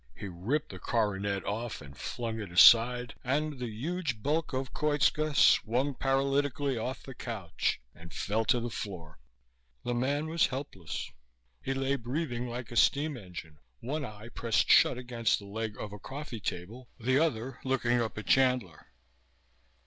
He ripped the coronet off and flung it aside, and the huge bulk of Koitska swung paralytically off the couch and fell to the floor. The man was helpless. He lay breathing like a steam engine, one eye pressed shut against the leg of a coffee table, the other looking up at Chandler.